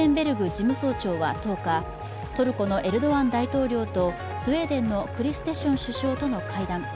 事務総長は１０日トルコのエルドアン大統領とスウェーデンのクリステション首相と会談。